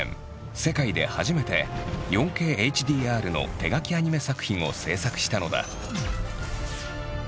世界で初めて４ＫＨＤＲの手描きアニメ作品を制作したのだ。